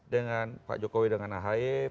dengan pak jokowi dengan ahy